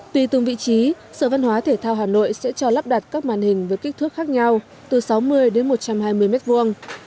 tùy từng vị trí sở văn hóa thể thao hà nội sẽ cho lắp đặt các màn hình với kích thước khác nhau từ sáu mươi đến một trăm hai mươi mét vuông